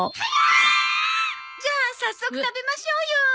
じゃあ早速食べましょうよ！